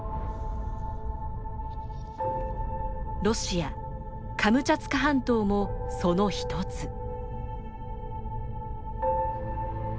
ロシアカムチャツカ半島もその一つ。